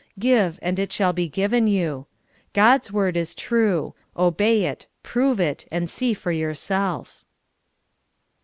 " Give, and it shall be given 3^ou." God's word is true ; obey it, prove it, and see for 3^ourself.